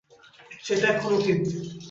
সেটা এখন অতীত।